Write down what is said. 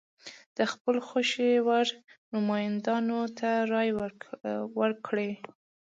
د خپل خوښې وړ نوماندانو ته رایه ورکړي.